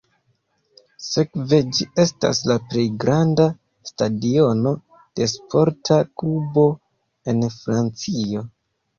Sekve ĝi estas la plej granda stadiono de sporta klubo en Francio.